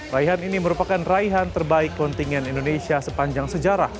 raihan ini merupakan raihan terbaik kontingen indonesia sepanjang sejarah